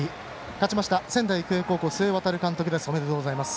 勝ちました仙台育英高校の須江航監督です。